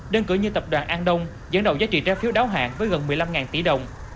đơn cử như tập đoàn an đông dẫn đầu giá trị trái phiếu đáo hạn với gần một mươi năm tỷ đồng